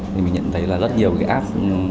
thì mình nhận thấy là rất nhiều cái app